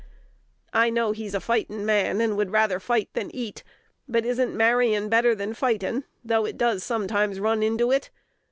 I know he's a fightin' man, and would rather fight than eat; but isn't marryin' better than fightin', though it does sometimes run into it?